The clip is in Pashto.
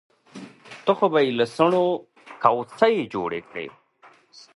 ته خو به له څڼو کوڅۍ جوړې کړې.